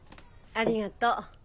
ありがと。